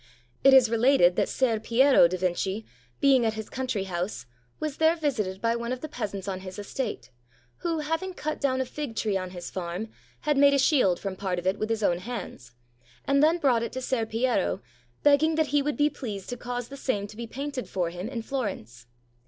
... It is related that Ser Piero da Vinci, being at his coun try house, was there visited by one of the peasants on his estate, who, having cut down a fig tree on his farm, had made a shield from part of it with his own hands, and then brought it to Ser Piero, begging that he would be pleased to cause the same to be painted for him in Florence.